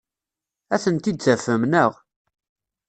Ad tent-id-tafem, naɣ?